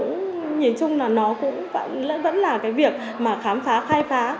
cũng nhìn chung là nó cũng vẫn là cái việc mà khám phá khai phá